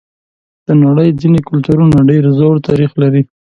د نړۍ ځینې کلتورونه ډېر زوړ تاریخ لري.